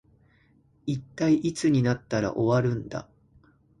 一体いつになったら終わるんだ